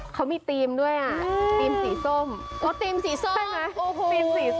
เขามีธีมด้วยอ่ะธีมสีส้มโอ้ธีมสีส้มใช่ไหมธีมสีส้ม